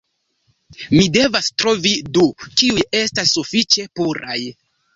Mi devas trovi du, kiuj estas sufiĉe puraj